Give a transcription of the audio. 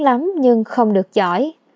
lắm nhưng không được giỏi